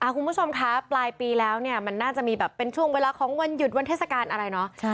คุณผู้ชมคะปลายปีแล้วเนี่ยมันน่าจะมีแบบเป็นช่วงเวลาของวันหยุดวันเทศกาลอะไรเนาะ